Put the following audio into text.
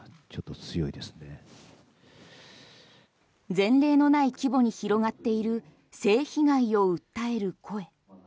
前例のない規模に広がっている性被害を訴える声。